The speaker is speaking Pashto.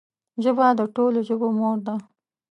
ژبه د ټولو ژبو مور ده